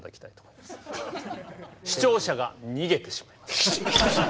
視聴者が逃げてしまいます。